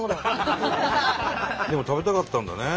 でも食べたかったんだね。